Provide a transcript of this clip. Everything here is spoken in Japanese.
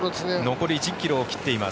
残り１０ｋｍを切っています。